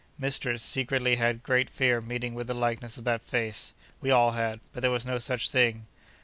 Mistress secretly had great fear of meeting with the likeness of that face—we all had; but there was no such thing.